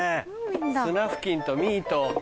スナフキンとミイと。